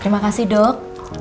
terima kasih dok